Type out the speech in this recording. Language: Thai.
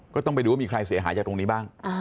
ก็ต้องไปดูว่ามีใครเสียหายจากตรงนี้บ้าง